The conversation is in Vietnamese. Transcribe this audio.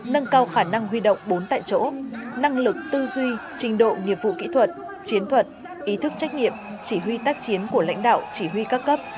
nâng cao khả năng huy động bốn tại chỗ năng lực tư duy trình độ nghiệp vụ kỹ thuật chiến thuật ý thức trách nhiệm chỉ huy tác chiến của lãnh đạo chỉ huy các cấp